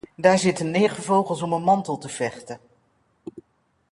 Daar zitten negen vogels om een mantel te vechten.